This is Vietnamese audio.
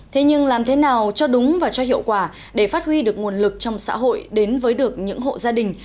thế nhưng làm thế nào cho đúng và cho hiệu quả để phát huy được nguồn lực trong xã hội đến với được những hộ gia đình